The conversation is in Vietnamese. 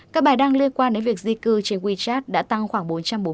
các bài đăng liên quan đến việc di cư trên wechat đã tăng khoảng bốn trăm bốn mươi